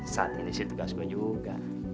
saat ini sih tugas gua juga